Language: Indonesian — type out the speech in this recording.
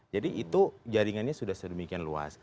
jadi itu jaringannya sudah sedemikian luas